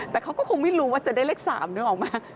แต่เขาก็คงไม่รู้ว่าจะได้เลข๓นึกออกมา